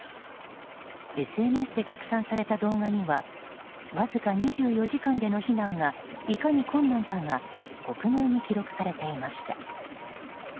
ＳＮＳで拡散された動画にはわずか２４時間での避難がいかに困難かが克明に記録されていました。